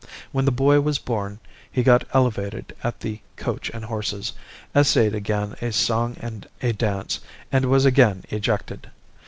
When the boy was born, he got elevated at the 'Coach and Horses,' essayed again a song and a dance, and was again ejected.